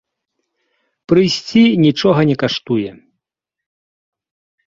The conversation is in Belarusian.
Прыйсці нічога не каштуе.